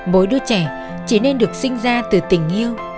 mỗi đứa trẻ chỉ nên được sinh ra từ tình yêu